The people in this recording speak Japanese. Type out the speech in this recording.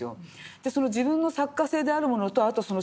その自分の作家性であるものとあとその